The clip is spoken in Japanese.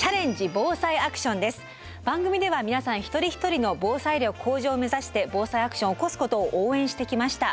番組では皆さん一人一人の防災力向上を目指して「ＢＯＳＡＩアクション」を起こすことを応援してきました。